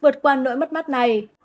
vượt qua nỗi mất mắt này